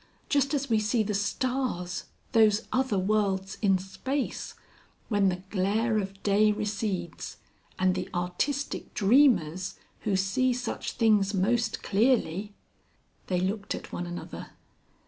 Just as we see the stars, those other worlds in space, when the glare of day recedes.... And the artistic dreamers who see such things most clearly...." They looked at one another.